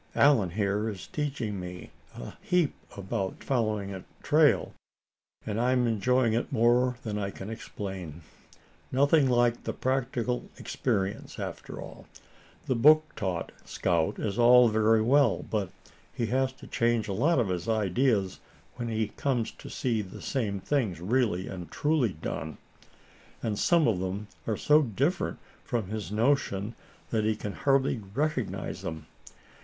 Allan, here, is teaching me a heap about following a trail, and I'm enjoying it more than I can explain. Nothing like the practical experience, after all. The book taught scout is all very well, but he has to change a lot of his ideas when he comes to see the same things really and truly done. And some of them are so different from his notion that he can hardly recognize 'em.